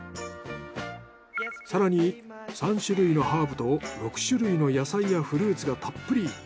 更に３種類のハーブと６種類の野菜やフルーツがたっぷり。